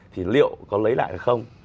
thì liệu có lấy lại hay không